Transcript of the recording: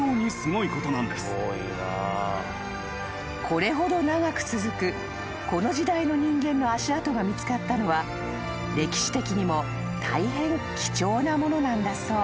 ［これほど長く続くこの時代の人間の足跡が見つかったのは歴史的にも大変貴重なものなんだそう］